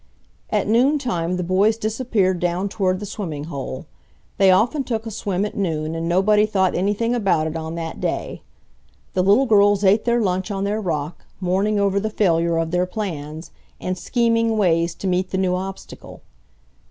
At noon time the boys disappeared down toward the swimming hole. They often took a swim at noon and nobody thought anything about it on that day. The little girls ate their lunch on their rock, mourning over the failure of their plans, and scheming ways to meet the new obstacle.